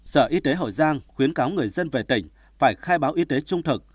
sở y tế hậu giang khuyến cáo người dân về tỉnh phải khai báo y tế trung thực